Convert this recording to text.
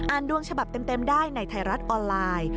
ดวงฉบับเต็มได้ในไทยรัฐออนไลน์